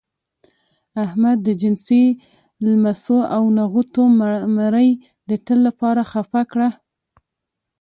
احمد د جنسي لمسو او نغوتو مرۍ د تل لپاره خپه کړه.